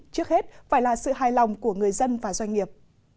trước hết phải là sự hài lòng của người dân và doanh nghiệp